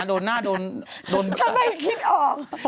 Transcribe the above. โดนหน้าโดนเปล่า